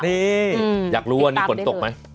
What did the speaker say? นี่อยากรู้ว่านี่ฝนตกไหม